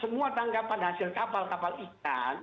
semua tangkapan hasil kapal kapal ikan